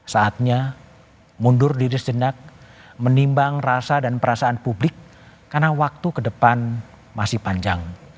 saatnya mundur diri sejenak menimbang rasa dan perasaan publik karena waktu ke depan masih panjang